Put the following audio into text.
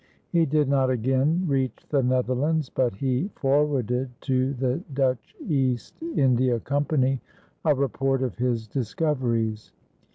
He did not again reach the Netherlands, but he forwarded to the Dutch East India Company a report of his discoveries.